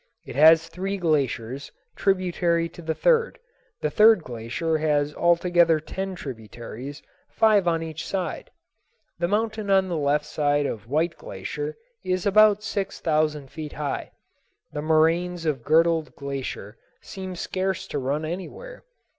It has three glaciers, tributary to the third. The third glacier has altogether ten tributaries, five on each side. The mountain on the left side of White Glacier is about six thousand feet high. The moraines of Girdled Glacier seem scarce to run anywhere.